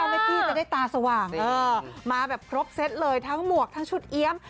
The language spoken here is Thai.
แม่พี่จะได้ตาสว่างมาแบบครบเซตเลยทั้งหมวกทั้งชุดเอี๊ยม